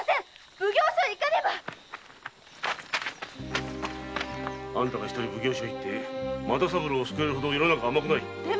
奉行所に行かねば一人で奉行所へ行って又三郎を救えるほど世の中は甘くはない。